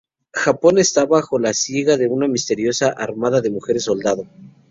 Japón está bajo la siega de una misteriosa armada de mujeres soldado.